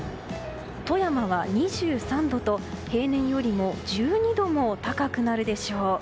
富山は２３度と、平年よりも１２度も高くなるでしょう。